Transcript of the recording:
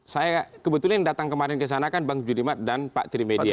saya kebetulan yang datang kemarin kesana kan bang judimat dan pak trimedia